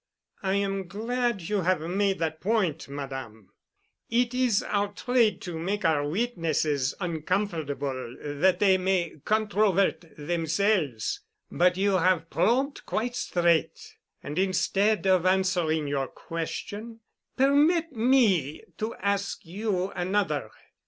"I am glad you have made that point, Madame. It is our trade to make our witnesses uncomfortable that they may controvert themselves. But you have probed quite straight. And instead of answering your question, permit me to ask you another.